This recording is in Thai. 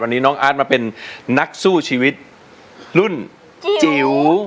วันนี้น้องอาร์ตมาเป็นนักสู้ชีวิตรุ่นจิ๋ว